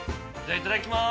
いただきます。